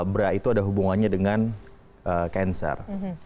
bra itu ada hubungannya dengan cancer